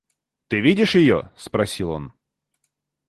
Ты видишь ее? — спросил он.